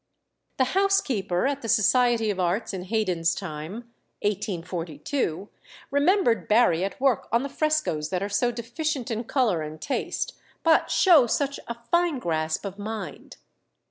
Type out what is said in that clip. The housekeeper at the Society of Arts in Haydon's time (1842) remembered Barry at work on the frescoes that are so deficient in colour and taste, but show such a fine grasp of mind.